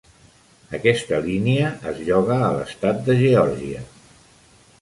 Aquesta línia es lloga a l'estat de Georgia